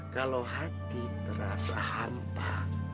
kalau hati terasa hampa